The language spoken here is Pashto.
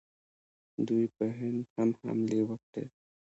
دوی په هند هم حملې وکړې